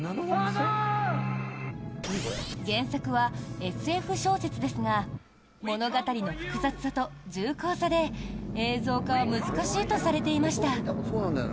原作はＳＦ小説ですが物語の複雑さと重厚さで映像化は難しいとされていました。